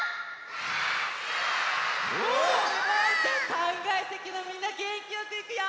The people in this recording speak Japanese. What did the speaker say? ３がいせきのみんなげんきよくいくよ！